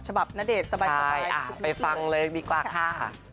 ใช่อะปะไปฟังเลยดีกว่าค่ะ